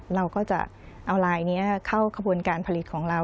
เราก็จะเอาลายนี้เข้าขบวนการผลิตของเรา